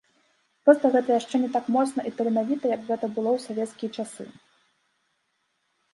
Проста гэта яшчэ не так моцна і таленавіта, як гэта было ў савецкія часы.